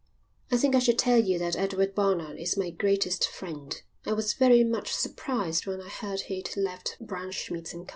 "I think I should tell you that Edward Barnard is my greatest friend. I was very much surprised when I heard he'd left Braunschmidt & Co."